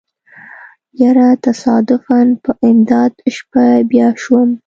يره تصادفاً په امدا شپه بيا شوم.